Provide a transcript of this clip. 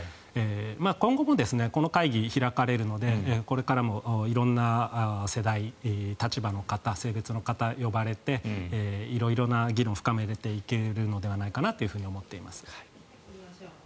今後もこの会議、開かれるのでこれからも色んな世代、立場の方性別の方が呼ばれて色々な議論を深めていけるのではないかなと思っています。